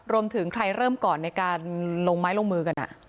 รวมถึงใครเริ่มก่อนในการลงไม้ลงมือกัน